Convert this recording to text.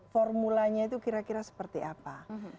formulanya itu kira kira seperti apa